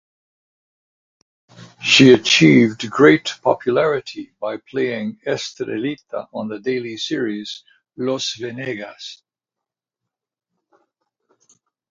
She achieved great popularity by playing Estrellita on the daily series "Los Venegas".